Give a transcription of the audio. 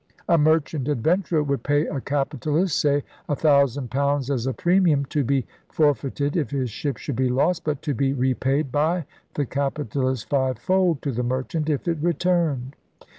A merchant adventurer would pay a capitalist, say, a thousand pounds as a premium to be for feited if his ship should be lost, but to be repaid by the capitalist fivefold to the merchant if it returned.